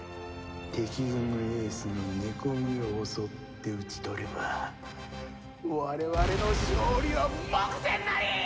敵軍エースの寝込みを襲って討ち取れば我々の勝利は目前なりーっ！